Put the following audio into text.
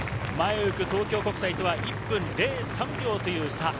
前を行く東京国際とは１分０３秒という差。